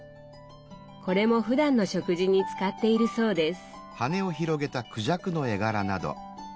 これもふだんの食事に使っているそうです。